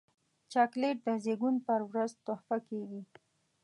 چاکلېټ د زیږون پر ورځ تحفه کېږي.